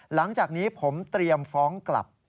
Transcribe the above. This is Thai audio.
หลังจากนี้ผมเตรียมฟ้องกลับ